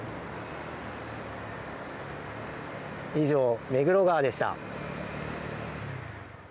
以上、目黒川でした。